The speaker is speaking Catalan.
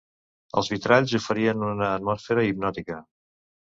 Els vitralls oferien una atmosfera hipnòtica.